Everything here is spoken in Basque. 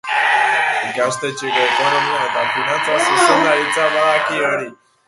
Ikastetxeko Ekonomia eta Finantza Zuzendaritzak badaki hori.